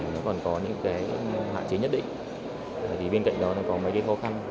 nó còn có những hạn chế nhất định bên cạnh đó có mấy cái khó khăn